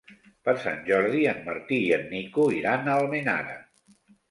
Per Sant Jordi en Martí i en Nico iran a Almenara.